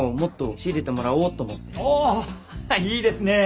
おいいですねえ！